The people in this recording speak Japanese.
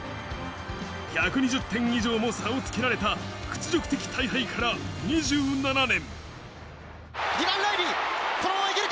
１２０点以上も差をつけられた屈辱的大敗から２７年。